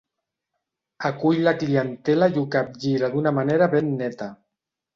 Acull la clientela i ho capgira d'una manera ben neta.